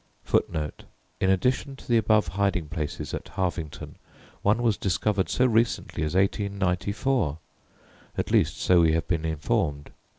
[Footnote 1: N.B. In addition to the above hiding places at Harvington, one was discovered so recently as 1894; at least, so we have been informed.